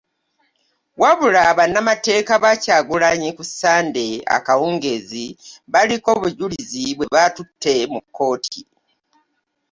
Wabula bannamateeka ba Kyagulanyi ku Ssande akawungeezi baliko obujulizi bwe baatutte mu kkooti